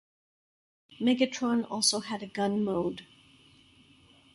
Megatron also had a gun mode.